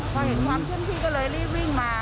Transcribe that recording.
พอเห็นความเคลื่อนที่ก็เลยรีบวิ่งมา